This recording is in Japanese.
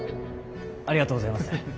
ありがとうございます。